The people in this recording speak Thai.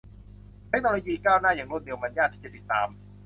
เทคโนโลยีก้าวหน้าอย่างรวดเร็วมันยากที่จะติดตาม